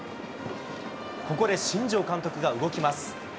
ここで新庄監督が動きます。